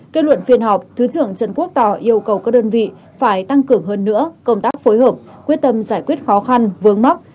kết luận phiên họp thứ trưởng trần quốc tỏ yêu cầu các đơn vị phải tăng cường hơn nữa công tác phối hợp quyết tâm giải quyết khó khăn vướng mắt